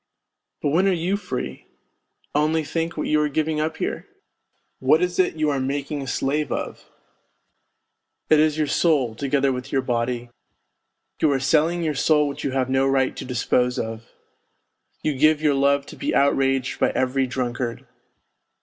But when are you free ? Only think what you are giving up here ? What is it you are making a slave of ? It is your soul, together with your body ; you are selling your soul which you have no right to dispose of ! You give your love to be outraged by every drunkard